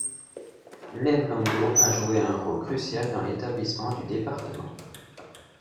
Lev Landau a joué un rôle crucial dans l'établissement du département.